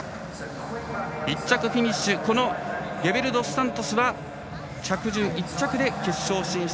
１着フィニッシュのゲベルドスサントスは着順１着で決勝進出。